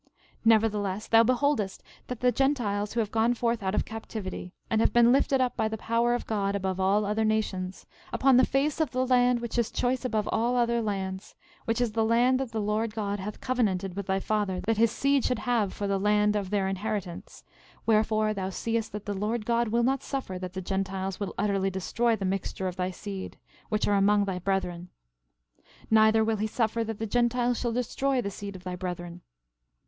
13:30 Nevertheless, thou beholdest that the Gentiles who have gone forth out of captivity, and have been lifted up by the power of God above all other nations, upon the face of the land which is choice above all other lands, which is the land that the Lord God hath covenanted with thy father that his seed should have for the land of their inheritance; wherefore, thou seest that the Lord God will not suffer that the Gentiles will utterly destroy the mixture of thy seed, which are among thy brethren. 13:31 Neither will he suffer that the Gentiles shall destroy the seed of thy brethren.